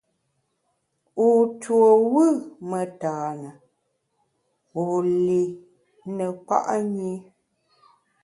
Wu tuo wù metane, wu li ne kpa’ nyi.